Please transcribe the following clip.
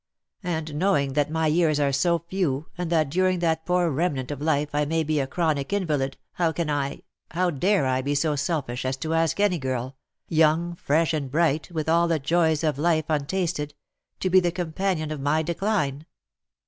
And knowing that my years are so few^ and that during that poor remnant of life I may be a chronic invalid, how can I — how dare I be so selfish as to ask any girl — young, fresh, and bright, with all the joys of life untasted — to be the companion of my decline